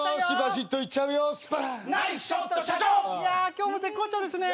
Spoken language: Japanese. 今日も絶好調ですね。